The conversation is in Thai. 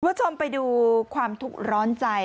คุณผู้ชมไปดูความทุกข์ร้อนใจ